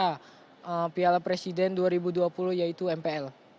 dan game ini bisa menjadikan saya juara piala presiden dua ribu dua puluh yaitu mpl